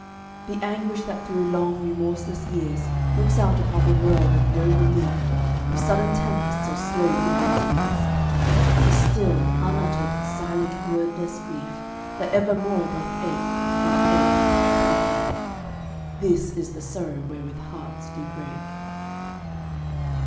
The anguish that through long, remorseless years Looks out upon the world with no relief Of sudden tempests or slow dripping tears The still, unuttered, silent, wordless grief That evermore doth ache, and ache, and ache This is the sorrow wherewith hearts do break.